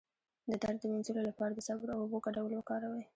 د درد د مینځلو لپاره د صبر او اوبو ګډول وکاروئ